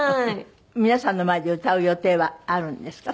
皆さんの前で歌う予定はあるんですか？